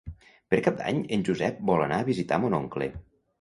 Per Cap d'Any en Josep vol anar a visitar mon oncle.